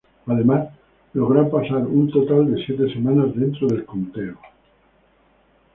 Además, logró pasar un total de siete semanas dentro del conteo.